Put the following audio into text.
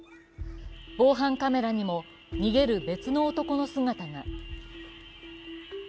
防犯カメラにも逃げる別の男の姿が。